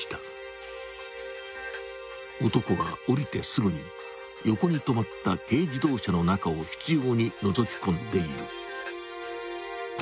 ［男は降りてすぐに横に止まった軽自動車の中を執拗にのぞき込んでいる］